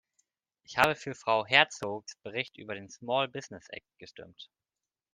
Ich habe für Frau Herczogs Bericht über den Small Business Act gestimmt.